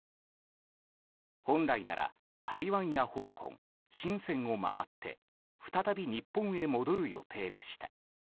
本来なら、台湾や香港シンセンを回って再び日本へ戻る予定でした。